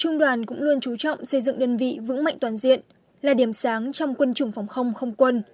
trung đoàn cũng luôn trú trọng xây dựng đơn vị vững mạnh toàn diện là điểm sáng trong quân chủng phòng không không quân